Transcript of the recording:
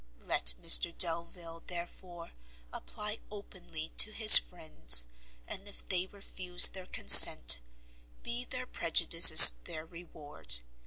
Let Mr Delvile, therefore, apply openly to his friends, and if they refuse their consent, be their prejudices their reward.